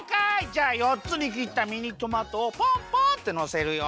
じゃあ４つにきったミニトマトをポンポンってのせるよ！